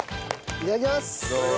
いただきます！